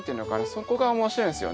そこが面白いんですよね